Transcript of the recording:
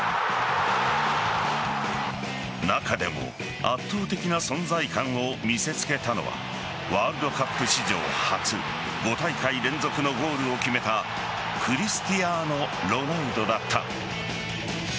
中でも圧倒的な存在感を見せつけたのはワールドカップ史上初５大会連続のゴールを決めたクリスティアーノロナウドだった。